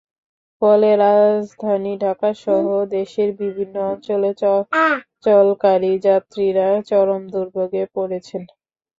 ফলে রাজধানী ঢাকাসহ দেশের বিভিন্ন অঞ্চলে চলাচলকারী যাত্রীরা চরম দুর্ভোগে পড়েছেন।